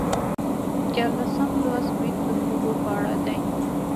دیارلسم لوست ویکتور هوګو په اړه دی.